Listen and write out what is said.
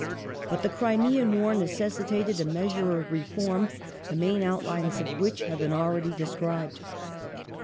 But the Crimean War necessitated a measure of reform, the main outlines of which have been ah'eady described.